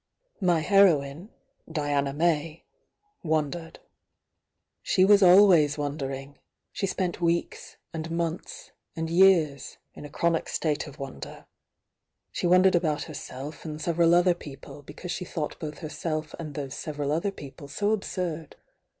My heroine, Diana May, wondered. She was al ways wondering. She spent weeks, and months, and years, m a chronic state of wonder. She wondered about herself and several other people, because she thought both herself and those several other people so absurd.